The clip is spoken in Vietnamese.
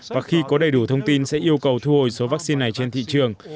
và khi có đầy đủ thông tin sẽ yêu cầu thu hồi số vaccine này trên thị trường